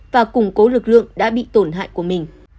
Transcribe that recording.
và củng cố lực lượng đã bị tổn hại của mình